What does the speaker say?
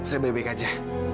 saya baik baik aja